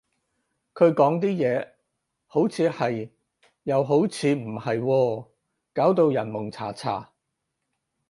佢講啲嘢，好似係，又好似唔係喎，搞到人矇查查